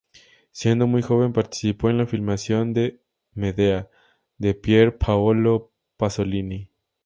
Siendo muy joven participó en la filmación de "Medea" de Pier Paolo Pasolini.